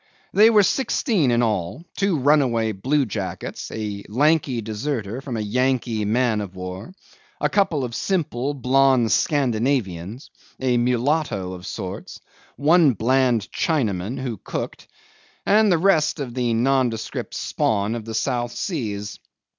They were sixteen in all: two runaway blue jackets, a lanky deserter from a Yankee man of war, a couple of simple, blond Scandinavians, a mulatto of sorts, one bland Chinaman who cooked and the rest of the nondescript spawn of the South Seas.